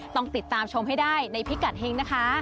ต้องติดตามชมให้ได้ในพิกัดเฮงนะคะ